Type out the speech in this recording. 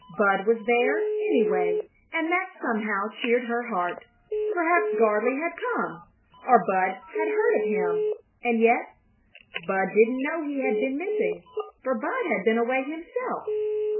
Bud was there, anyway, and that somehow cheered her heart. Perhaps Gardley had come or Bud had heard of him and yet, Bud didn't know he had been missing, for Bud had been away himself.